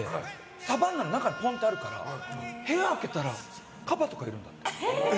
サバンナの中にポンとあるから部屋開けたらカバとかいるの。